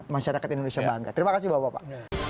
masyarakat indonesia bangga terima kasih bapak bapak